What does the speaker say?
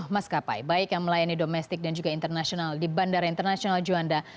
maskapai baik yang melayani domestik dan juga internasional di bandara internasional juanda